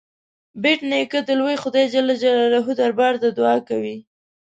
بېټ نیکه د لوی خدای جل جلاله دربار ته دعا کوي.